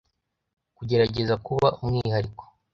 kugerageza kuba umwihariko